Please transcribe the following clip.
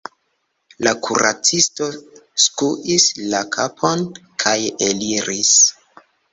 La kuracisto skuis la kapon, kaj eliris.